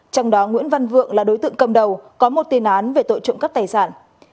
trong đó nguyễn văn vượng là đối tượng cầm đầu có một tiền án về tội trộm cắp tài sản